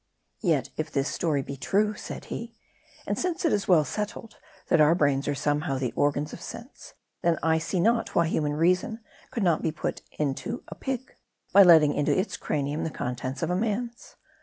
" Yet, if this story be true," said he, "and since it is well settled, that our brains are somehow the organs of sense ; then, I see not why human reason could not be put into a pig, by letting into its cranium the contents of a man's.